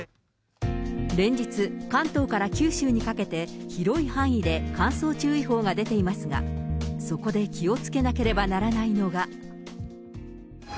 連日、関東から九州にかけて、広い範囲で乾燥注意報が出ていますが、そこで気をつけなければならないのが。